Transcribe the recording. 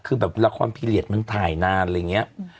คือแบบละครพิเศษมันถ่ายนานอะไรอย่างเงี้ย